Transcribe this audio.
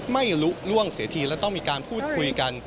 ไม่รู้ล่วงเสียทีและต้องมีการพูดคุยกัน